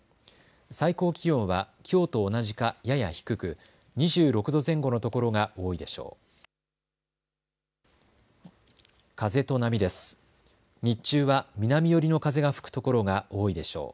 最高気温はきょうと同じかやや低く２６度前後の所が多いでしょう。